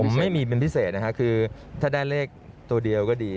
ผมไม่มีเป็นพิเศษนะฮะคือถ้าได้เลขตัวเดียวก็ดี